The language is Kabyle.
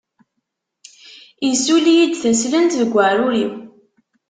Issuli-yi-d taslent deg waɛrur-iw.